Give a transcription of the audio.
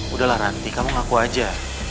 udahlah ranti kamu ngaku aja